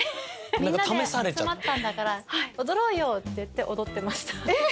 「みんなで集まったんだから踊ろうよ」って言って踊ってました。